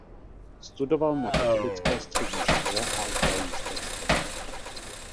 Studoval na katolické střední škole a ukrajinské škole.